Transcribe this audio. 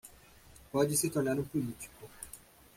Pode se tornar um político